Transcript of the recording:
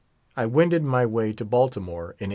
I wended my way to Baltimore in 1852.